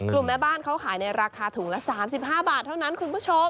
แม่บ้านเขาขายในราคาถุงละ๓๕บาทเท่านั้นคุณผู้ชม